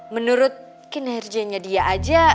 menurut kinerjanya dia aja